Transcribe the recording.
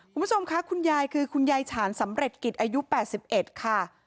คุณผู้ชมค่ะคุณยายคือคุณยายฉานสำเร็จกิจอายุ๘๑ค่ะ